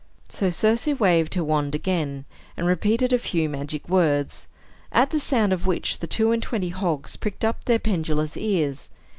So Circe waved her wand again, and repeated a few magic words, at the sound of which the two and twenty hogs pricked up their pendulous ears.